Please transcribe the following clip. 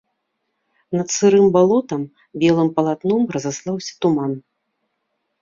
Над сырым балотам белым палатном разаслаўся туман.